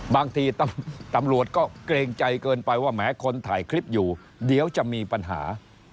บางทีตำรวจก็เกรงใจเกินไปว่าแหมคนถ่ายคลิปอยู่เดี๋ยวจะมีปัญหา